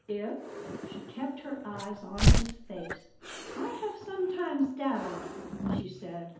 "If?" She kept her eyes on his face. "I have sometimes doubted," she said.